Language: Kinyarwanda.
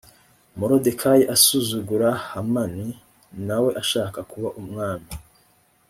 moridekayi asuzugura hamani na we ashaka kuba umwami